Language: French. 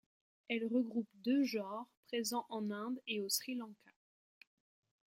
Elle regroupe deux genres présents en Inde et au Sri Lanka.